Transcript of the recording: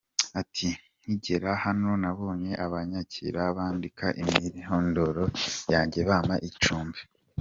Ati: “Nkigera hano nabonye abanyakira bandika imyirondoro yanjye bampa icumbi.